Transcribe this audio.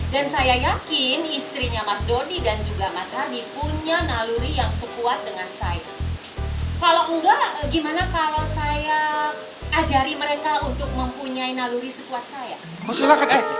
dan saya yakin istrinya mas dodi dan juga mas hadi punya naluri yang sekuat dengan saya